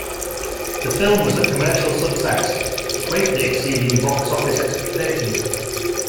The film was a commercial success, greatly exceeding box office expectations.